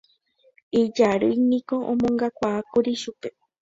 Ijarýiniko omongakuaákuri chupe